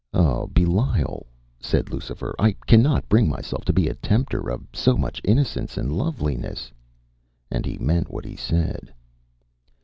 ” “Oh, Belial,” said Lucifer, “I cannot bring myself to be a tempter of so much innocence and loveliness.” And he meant what he said.